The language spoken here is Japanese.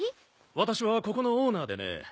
私はここのオーナーでね。